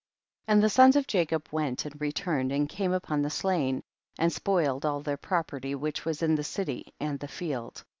29. And the sons of Jacob went and returned, and came upon the slain, and spoiled all their property which was in the city and the field.